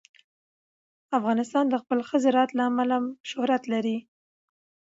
افغانستان د خپل ښه زراعت له امله شهرت لري.